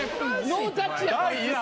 ノータッチや。